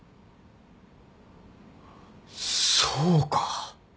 そうか。